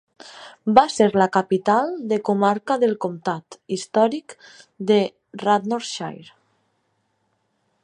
Va ser la capital de comarca del comtat històric de Radnorshire.